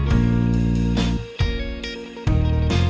อันนี้